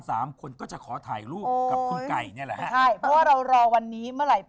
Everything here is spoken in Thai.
สามคนก็จะขอถ่ายรูปกับคุณไก่เนี่ยแหละฮะใช่เพราะว่าเรารอวันนี้เมื่อไหร่